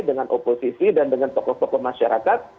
dengan oposisi dan dengan tokoh tokoh masyarakat